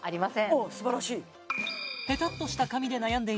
おおすばらしい！